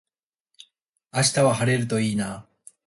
明日は晴れるといいな